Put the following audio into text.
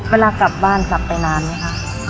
เวลากลับบ้านกลับไปนานไหมคะ